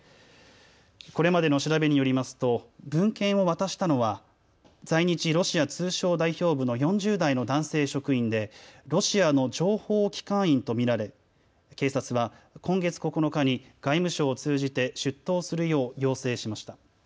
これまでの調べによりますと文献を渡したのは在日ロシア通商代表部の４０代の男性職員で、ロシアの諜報機関員と見られ警察は今月９日に外務省を通じて出頭するよう要請しました。